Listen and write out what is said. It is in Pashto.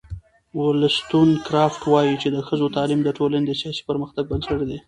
ولستون کرافټ وایي چې د ښځو تعلیم د ټولنې د سیاسي پرمختګ بنسټ دی.